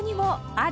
ある？